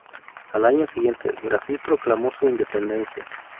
Al año siguiente, Brasil proclamó su independencia.